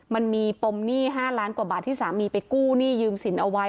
มันมีปมหนี้๕ล้านกว่าบาทที่สามีไปกู้หนี้ยืมสินเอาไว้